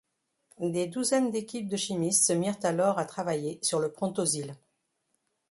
Des douzaines d’équipes de chimistes se mirent alors à travailler sur le Prontosil.